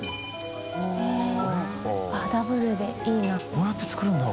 こうやって作るんだ。